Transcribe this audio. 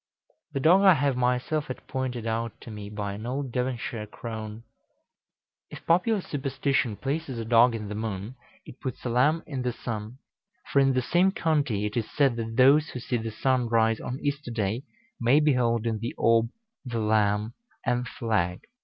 The dog I have myself had pointed out to me by an old Devonshire crone. If popular superstition places a dog in the moon, it puts a lamb in the sun; for in the same county it is said that those who see the sun rise on Easter day, may behold in the orb the lamb and flag.